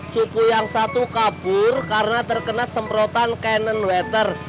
cupu yang satu kabur karena terkena semprotan cannon wetter